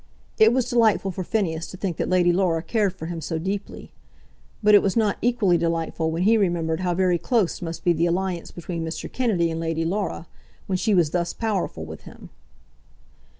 It was delightful for Phineas to think that Lady Laura cared for him so deeply; but it was not equally delightful when he remembered how very close must be the alliance between Mr. Kennedy and Lady Laura, when she was thus powerful with him.